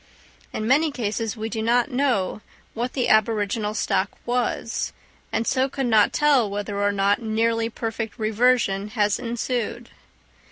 In many cases we do not know what the aboriginal stock was, and so could not tell whether or not nearly perfect reversion had ensued.